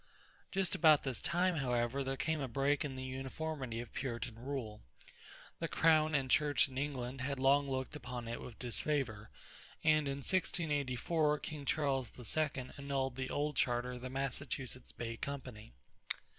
Just about this time, however, there came a break in the uniformity of Puritan rule. The crown and church in England had long looked upon it with disfavor, and in 1684 King Charles II annulled the old charter of the Massachusetts Bay Company.